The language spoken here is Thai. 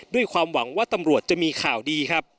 ด้วยความหวังว่าตำรวจจะมีข่าวดีครับ